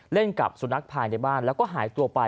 เล่นกับสุนัขภายในบ้านแล้วก็หายตัวไป